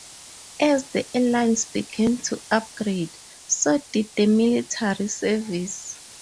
As the airlines began to upgrade so did the military services.